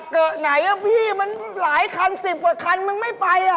เกะไหนอ่ะพี่มันหลายคันสิบอีกคันมันไม่ไป